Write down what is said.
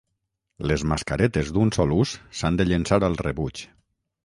Les mascaretes d'un sol ús s'han de llençar al rebuig.